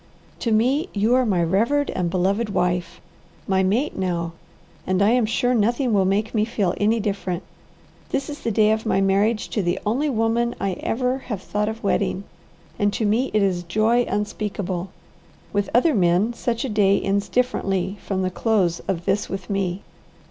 "To me you are my revered and beloved wife, my mate now; and I am sure nothing will make me feel any different. This is the day of my marriage to the only woman I ever have thought of wedding, and to me it is joy unspeakable. With other men such a day ends differently from the close of this with me.